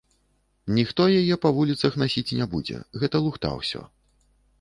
Ніхто яе па вуліцах насіць не будзе, гэта лухта ўсё.